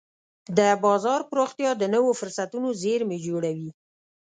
د بازار پراختیا د نوو فرصتونو زېرمې جوړوي.